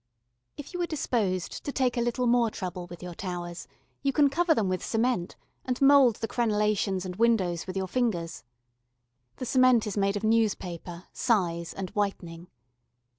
If you are disposed to take a little more trouble with your towers, you can cover them with cement, and mould the crenellations and windows with your fingers. The cement is made of newspaper, size, and whitening.